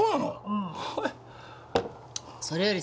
うん。それよりさ。